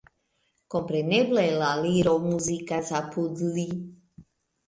Kompreneble la Liro muzikas apud li.